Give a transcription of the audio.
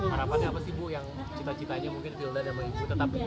harapannya apa sih bu yang cita citanya vilda dan ibu tetap